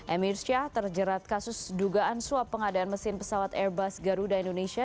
emir syah terjerat kasus dugaan suap pengadaan mesin pesawat airbus garuda indonesia